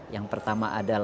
yang pertama adalah intensitas